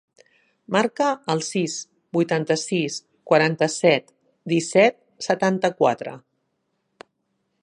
Marca el sis, vuitanta-sis, quaranta-set, disset, setanta-quatre.